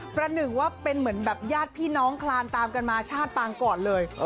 ประหนึ่งว่าเป็นเหมือนแบบญาติพี่น้องคลานตามกันมาชาติปางก่อนเลย